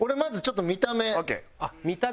見た目ね。